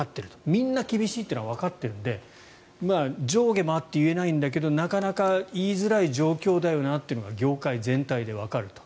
みんな厳しいというのはわかっているので上下もあって言えないんだけどなかなか言いづらい状況だよなというのが業界全体でわかると。